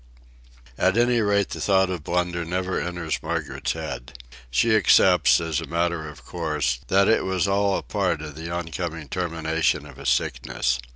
At any rate the thought of blunder never enters Margaret's head. She accepts, as a matter of course, that it was all a part of the oncoming termination of his sickness.